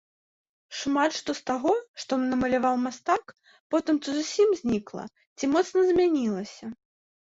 Шмат што з таго, што намаляваў мастак, потым ці зусім знікла, ці моцна змянілася.